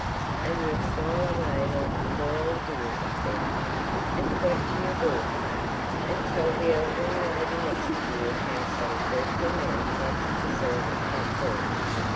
"And you'll smile away like the poor old dears up there, and point to your daughter, and tell the elderly lady next to you how some dreadful man tried to kiss her at the club ball.